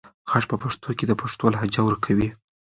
غږ په پښتو کې د پښتو لهجه ورکوي.